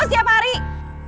harus samakan uang